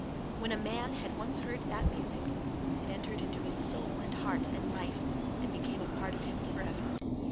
When a man had once heard that music it entered into his soul and heart and life and became a part of him for ever.